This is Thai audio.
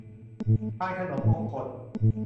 พานขนมมงคล